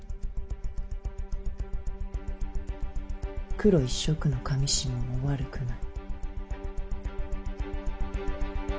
黒一色の裃も悪くない。